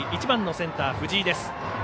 １番のセンター、藤井です。